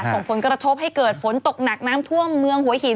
ส่งผลกระทบให้เกิดฝนตกหนักน้ำท่วมเมืองหัวหิน